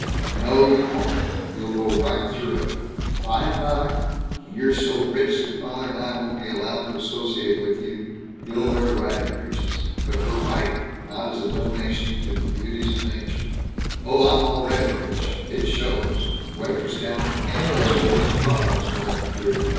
"No. You won't. You'll go right through it. By and by, when you're so rich that father and I won't be allowed to associate with you, you'll wear riding breeches but for riding, not as a donation to the beauties of nature." "Oh, I'm already rich. It shows. Waitress down at the camp asked me whose car I was driving through."